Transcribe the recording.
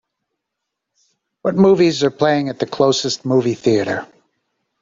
What movies are playing at the closest movie theatre